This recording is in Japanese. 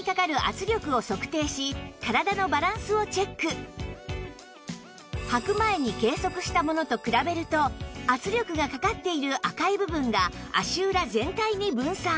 実際はく前に計測したものと比べると圧力がかかっている赤い部分が足裏全体に分散